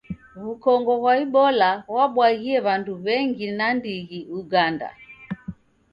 W'ukongo ghwa Ibola ghwabwaghie w'andu w'engi nandighi Uganda.